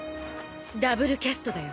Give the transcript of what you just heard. ダブルキャストだよ。